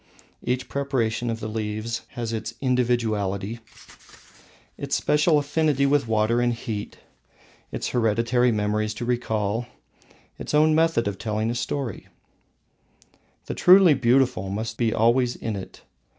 Each preparation of the leaves has its individuality, its special affinity with water and heat, its own method of telling a story. The truly beautiful must always be in it.